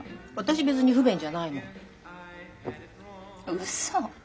うそ。